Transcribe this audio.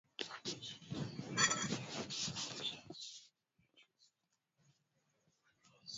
Yaligunduliwa na Loui na Mary Leakey